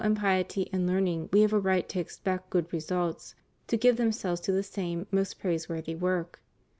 273 and piety and learning we have a right to expect good re sults, to give themselves to the same most praiseworthy work.